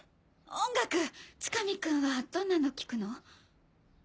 音楽千頭くんはどんなの聴くの？